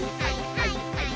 はいはい。